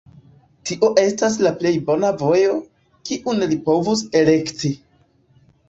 Tio estas la plej bona vojo, kiun li povus elekti.